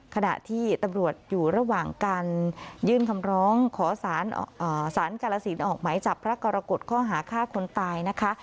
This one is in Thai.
ขณะที่ตำรวจอยู่ระหว่างการยื่นคำร้องขอสารกาลสินออกไหมจับพระกรกฎข้อหาฆ่าคนตายนะคะ